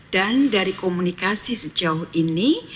dan dari komunikasi sejauh ini